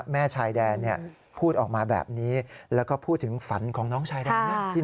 แม่ชายแดนพูดออกมาแบบนี้แล้วก็พูดถึงฝันของน้องชายแดนนะ